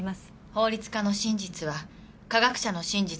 法律家の真実は科学者の真実とは違うの。